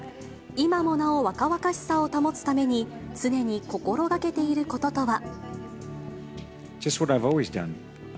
今もなお若々しさを保つために常に心がけていることとは。